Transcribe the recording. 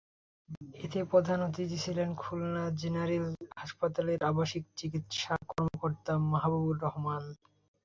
এতে প্রধান অতিথি ছিলেন খুলনা জেনারেল হাসপাতালের আবাসিক চিকিৎসা কর্মকর্তা মাহাবুবুর রহমান।